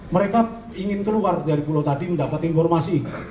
mereka ingin keluar dari pulau tadi mendapat informasi